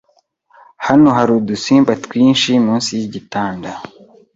Hano hari udusimba twinshi munsi yigitanda